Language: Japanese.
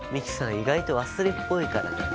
意外と忘れっぽいからな。